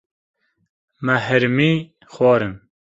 Me hirmî xwarin.